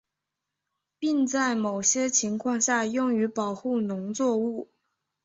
并在某些情况下用于保护农作物。